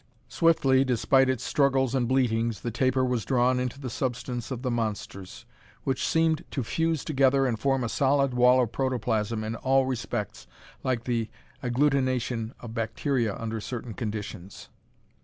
Swiftly, despite its struggles and bleatings, the tapir was drawn into the substance of the monsters, which seemed to fuse together and form a solid wall of protoplasm in all respects like the agglutination of bacteria under certain conditions.